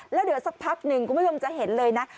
แล้วเดี๋ยวสักพักนึงก็ไม่ต้องจะเห็นเลยนะ